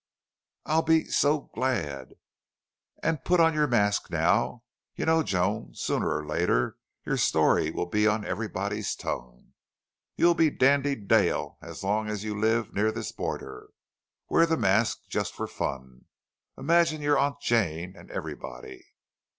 "I'll be so glad." "And put on your mask now!... You know, Joan, sooner or later your story will be on everybody's tongue. You'll be Dandy Dale as long as you live near this border. Wear the mask, just for fun. Imagine your Aunt Jane and everybody!"